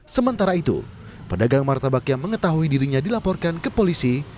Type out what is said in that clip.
sementara itu pedagang martabak yang mengetahui dirinya dilaporkan ke polisi